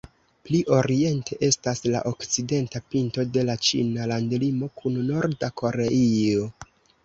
Pli oriente estas la okcidenta pinto de la ĉina landlimo kun Norda Koreio.